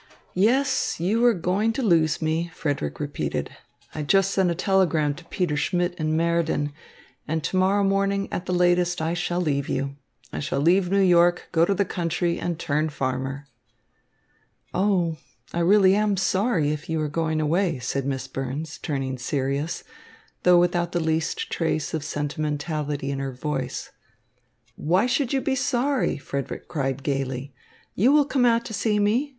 "Yes, you are going to lose me," Frederick repeated. "I just sent a telegram to Peter Schmidt in Meriden, and to morrow morning at the latest I shall leave you. I shall leave New York, go to the country, and turn farmer." "Oh, I really am sorry if you are going away," said Miss Burns, turning serious, though without the least trace of sentimentality in her voice. "Why should you be sorry?" Frederick cried gaily. "You will come out to see me.